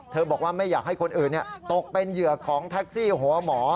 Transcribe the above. บอกว่าไม่อยากให้คนอื่นตกเป็นเหยื่อของแท็กซี่หัวหมอ